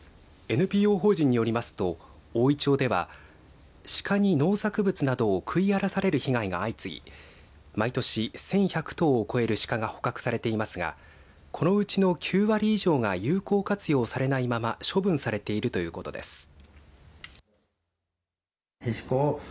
ＮＰＯ法人によりますとおおい町ではシカに農作物などを食い荒らされる被害が相次ぎ毎年、１１００頭を超えるシカが捕獲されていますがこのうちの９割以上が有効活用されないまま処分されているということです。